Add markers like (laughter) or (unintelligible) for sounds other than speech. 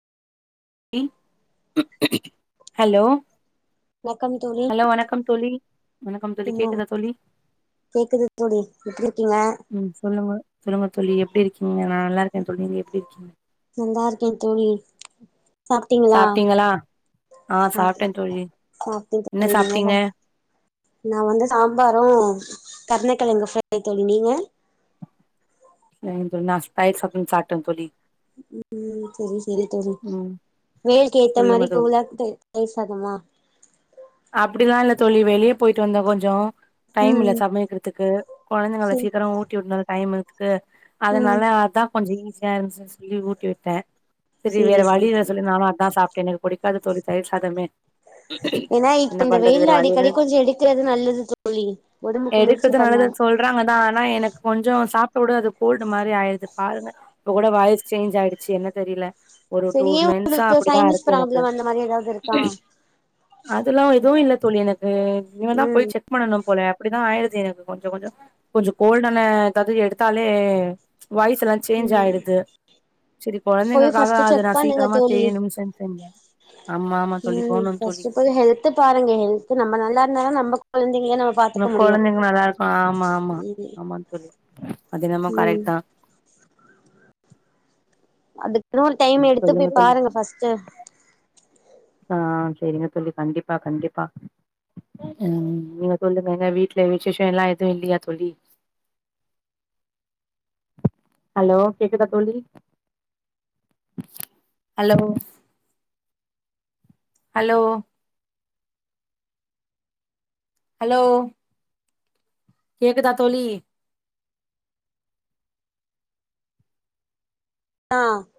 இ hello வணக்கம் தோழி hello வணக்கம் தோழி வணக்கம் தோழி ம் கேக்குதா தோழி கேக்குது தோழி எப்டி இருக்கீங்க ம் சொல்லுங்க சொல்லுங்க தோழி எப்படி இருக்கீங்க நா நல்லா இருக்கே தோழி நீங்க எப்படி இருக்கீங்க நல்லா இருக்கே தோழி சாப்ட்டீங்களா ஆ சாப் சாப்ட்டே தோழி சாப்டே என்ன தோழி சாப்ட்டீங்க (unintelligible) நா வந்து சாம்பாரு கருணக்கிழங்க ஃப்ரை தோழி நீங்க (unintelligible) சாப்டே தோழி ம் சரி சரி தோழி ம் வெயில்க்கு சொல்லுங்க ஏத்தமாரி தோழி போலாண்ட்டு தயிர் சாதமா அப்டிலா இல்ல தோழி வெளியே போயிட்டு வந்தே கொஞ்சோ டைம் இல்ல ம் சமைக்கிறதுக்கு கொழந்தைங்கல்ல சரி சீக்கிரோ ஊட்டி உட்ணு டைம்முக்கு ம் அதனால அதா கொஞ்ச ஈஸியா இருந்துச்சுன் சொல்லி ஊட்டி விட்டே சரி வேற வழி இல்ல சொல்லி நானு அதா சாப்பிட்டேனே எனக் புடிக்காது தோழி தயிர் சாதமே ஏன்னா என்ன இப்ப இந்த பண்றது வெயில் வேற வழி இல்ல அடிக்கடி கொஞ்ச எடுக்கிறது நல்லது தோழி உடம்பு குளிர்ச்சி எடுக்கறது பண்ண நல்லதுன்னு சொல்றாங்க தா ஆனா எனக் கொஞ்சோ சாப்ட்ட கூட அது கோல்டு மாரி ஆயிருது பாருங்க இப்ப கூட வாய்ஸ் சேஞ்ச் ஆயிடுச்சு என்ன தெரியல ஒரு டூ சரி ஏ மென்சா உங்களுக்கு அப்டிதா சைனஸ் இருக்கு எனக்கு ப்ராப்ளம் அந்த மாரி ஏதாவது இருக்கா இதெல்லா எதுவு இல்ல தோழி எனக்கு இனிமேதா போய் ம் செக் பண்ணணும் போல அப்டிதா ஆயிருது எனக்கு கொஞ்ச கொஞ்சோ கொஞ்ச கோல்டான எதாது எடுத்தாலே வாய்ஸ் எல்லா சேஞ்ச் ம் ஆயிடுது செரி போய் கொழந்தைங்களுக்காக ஃபர்ஸ்ட் அத நா செக் பண்ணுங்க சீக்கிரமா தோழி செய்யணும் செஞ் செஞ்சே ஆமா ஆமா தோழி ம் போணும் தோழி ஃபஸ்ட்டு ஃபால் ஹெல்த்த பாருங்க ஹெல்த்து நம்ம நல்லா இருந்தா தா நம்ப கொழந்தைங்க நம் நம்ம கொழந்தைங்க நல்லா இருக்கு ஆமா ஆமா ம் ஆமாங் தோழி அது என்னமோ ம் கரெட் தா அதுக்குன்னு ஒரு டைம் எடுத்து சொல்லுங்க போய் தோழி பாருங்க ஃபஸ்ட்டு ஆ சேரிங்க தோழி கண்டிப்பா கண்டிப்பா ம் நீங்க சொல்லுங்கேங்க வீட்ல விஷேஷோல்லா எதுவ் இல்லியா தோழி ஹலோ கேக்குதா தோழி ஹலோ ஹலோ ஹலோ கேக்குதா தோழி ஆ